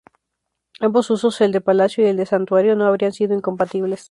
Ambos usos, el de palacio y el de santuario, no habrían sido incompatibles.